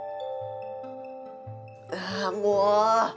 ああ、もう！